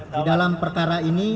di dalam perkara ini